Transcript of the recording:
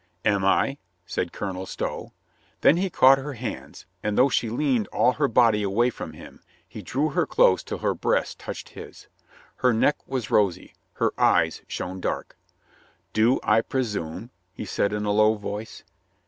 "Am I ?" said Colonel Stow. Then he caught her hands, and, though she leaned all her body away from him, he drew her close till her breast touched his. Her neck was rosy. Her eyes shone dark. "Do I presume?" he said in a low voice.